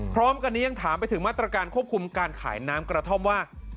พร้อมกันนี้ยังถามไปถึงมาตรการควบคุมการขายน้ำกระท่อมว่า